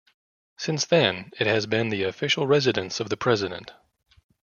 Since then, it has been the official residence of the President.